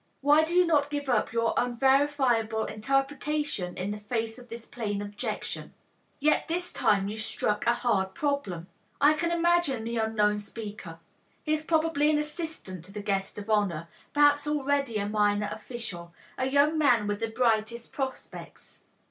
Why do you not give up your unverifiable interpretation in the face of this plain objection?" Yes, this time you struck a hard problem. I can imagine the unknown speaker. He is probably an assistant to the guest of honor, perhaps already a minor official, a young man with the brightest prospects.